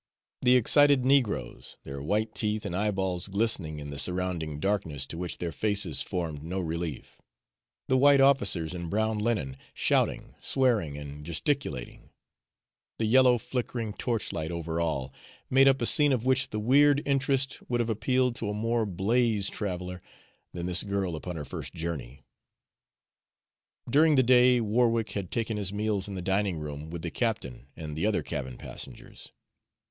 The excited negroes, their white teeth and eyeballs glistening in the surrounding darkness to which their faces formed no relief; the white officers in brown linen, shouting, swearing, and gesticulating; the yellow, flickering torchlight over all, made up a scene of which the weird interest would have appealed to a more blase traveler than this girl upon her first journey. During the day, Warwick had taken his meals in the dining room, with the captain and the other cabin passengers.